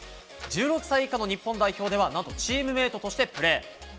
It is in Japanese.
１６歳以下の日本代表ではチームメートとしてプレー。